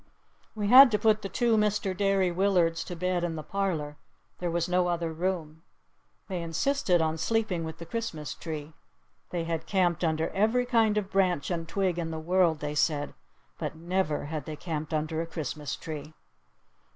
We had to put the two Mr. Derry Willards to bed in the parlor. There was no other room. They insisted on sleeping with the Christmas tree. They had camped under every kind of branch and twig in the world, they said. But never had they camped under a Christmas tree.